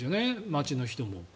町の人も。